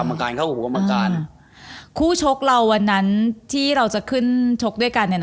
มันไม่เล่าใจเท่าไร